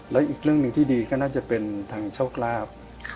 แล้วอีกเรื่องหนึ่งที่ดีก็น่าจะเป็นทางโชคลาภ